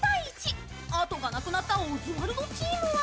後がなくなったオズワルドチームは